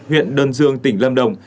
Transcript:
huyện đơn dương tỉnh lâm đồng